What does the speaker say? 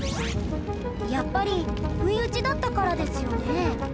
やっぱり不意打ちだったからですよね？